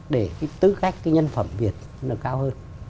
để tư cách nhân phẩm việt nó cao hơn